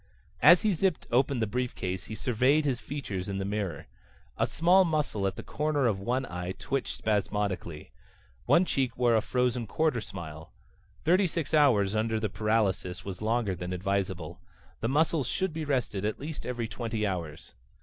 As he zipped open the briefcase he surveyed his features in the mirror. A small muscle at the corner of one eye twitched spasmodically. One cheek wore a frozen quarter smile. Thirty six hours under the paralysis was longer than advisable. The muscles should be rested at least every twenty hours.